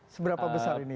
seberapa besar ini